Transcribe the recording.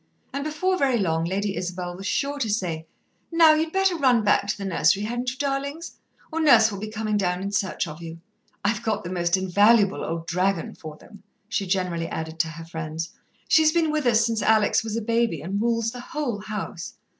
And before very long Lady Isabel was sure to say: "Now, you'd better run back to the nursery, hadn't you, darlings? or Nurse will be comin' down in search of you. I've got the most invaluable old dragon for them," she generally added to her friends. "She's been with us since Alex was a baby, and rules the whole house."